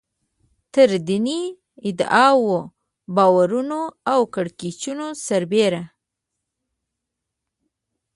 تر دیني ادعاوو، باورونو او کړکېچونو سربېره.